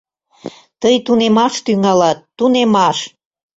— Тый тунемаш тӱҥалат, тунемаш!